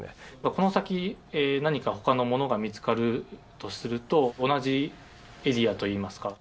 この先、何か他のものが見つかるとすると、同じエリアといいますか。